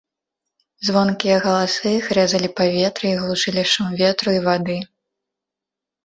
Звонкія галасы іх рэзалі паветра і глушылі шум ветру і вады.